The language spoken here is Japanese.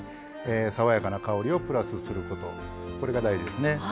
爽やかな香りをプラスすることが大事ですね。